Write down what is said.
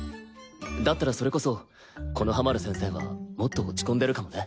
だったらそれこそ木ノ葉丸先生はもっと落ち込んでるかもね。